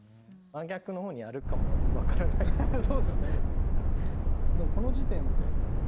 真逆のほうにあるかも分からないですけど。